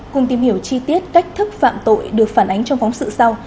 cùng tìm hiểu chi tiết cách thức phạm tội được phản ánh trong phóng sự sau